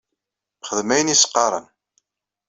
Txeddem ayen i as-qqaren.